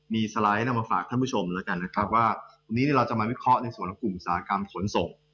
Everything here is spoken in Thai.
มีสไลด์นำมาฝากท่านผู้ชมแล้วกันนะครับว่าวันนี้เราจะมาวิเคราะห์ในส่วนของกลุ่มอุตสาหกรรมขนส่ง